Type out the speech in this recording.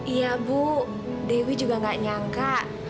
iya bu dewi juga gak nyangka